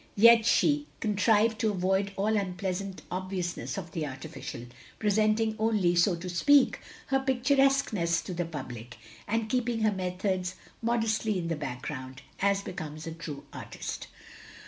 Yet she con trived to avoid all unpleasant obviousness of the artificial; presenting only, so to speak, her picttiresqueness to the public, and keeping her methods modestly in the background, as becomes a true artist.